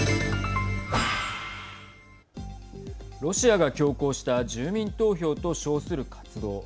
ロシアが強行した住民投票と称する活動。